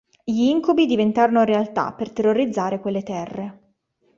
Gli incubi diventarono realtà per terrorizzare quelle terre.